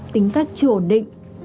tính cách chưa ổn định